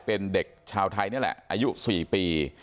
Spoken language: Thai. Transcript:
เป็นเด็กชาวไทยนี่แหละอายุ๔ปี